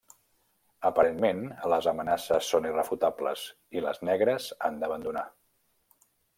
Aparentment, les amenaces són irrefutables i les negres han d'abandonar.